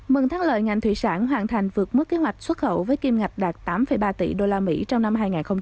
mừng tháng lợi ngành thủy sản hoàn thành vượt mức kế hoạch xuất khẩu với kim ngạch đạt tám ba tỷ usd trong năm hai nghìn một mươi bảy